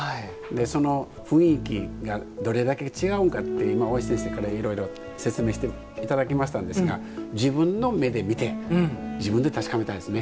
その雰囲気がどれだけ違うんかって今、大石先生からいろいろ説明していただきましたんですが自分の目で見て自分で確かめたいですね。